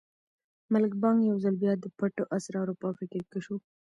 ملا بانګ یو ځل بیا د پټو اسرارو په فکر کې شو.